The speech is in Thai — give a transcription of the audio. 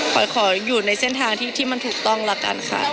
ขออยู่ในเส้นทางที่มันถูกต้องละกันค่ะ